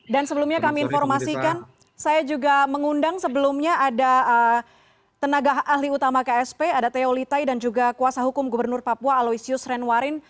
dan sebelumnya kami informasikan saya juga mengundang sebelumnya ada tenaga ahli utama ksp ada teo litai dan juga kuasa hukum gubernur papua aloisius renwarin